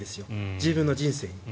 自分の人生に。